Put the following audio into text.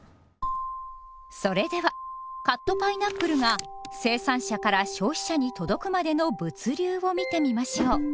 それではカットパイナップルが生産者から消費者に届くまでの物流を見てみましょう。